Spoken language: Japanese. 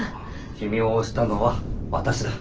君を推したのは私だ。